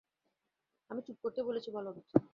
আমি চুপ করতে বলেছি বলদ।